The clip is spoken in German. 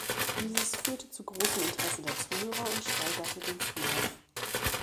Dieses führte zu großem Interesse der Zuhörer und steigerte den Zulauf.